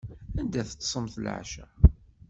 Anda teṭṭsemt leɛca?